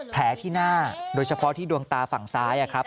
แผลที่หน้าโดยเฉพาะที่ดวงตาฝั่งซ้ายครับ